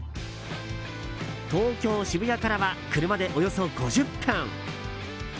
東京・渋谷からは車でおよそ５０分。